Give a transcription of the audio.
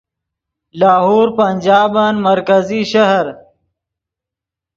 لاہور پنجابن مرکزی شہر